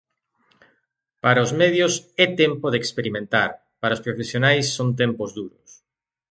Para os medios é tempo de experimentar, para os profesionais son tempos duros.